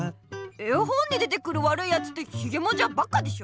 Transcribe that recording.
絵本に出てくるわるいやつってひげもじゃばっかでしょ！